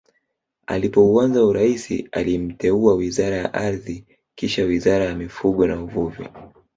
Alipoanza urais alimteua Wizara ya Ardhi kisha Wizara ya Mifugo na Uvuvi